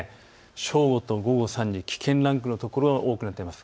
正午と午後３時、危険ランクの所が多くなっています。